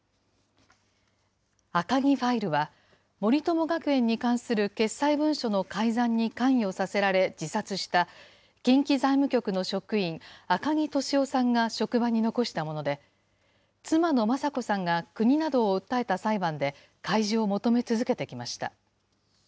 赤木ファイルは、森友学園に関する決裁文書の改ざんに関与させられ自殺した、近畿財務局の職員、赤木俊夫さんが職場に残したもので、妻の雅子さんが国などを訴えた裁判で、開示を求め続けてきました。